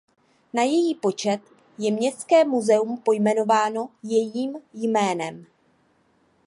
Na její počet je městské muzeum pojmenováno jejím jménem.